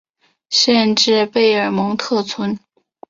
县治贝尔蒙特村。